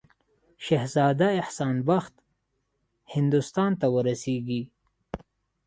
شهزاده احسان بخت هندوستان ته ورسیږي.